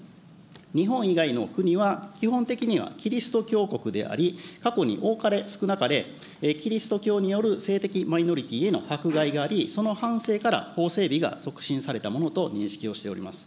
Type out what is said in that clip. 日本以外の国は基本的にはキリスト教国であり、過去に多かれ少なかれ、キリスト教による性的マイノリティへの迫害があり、その反省から法整備が促進されたものと認識をしております。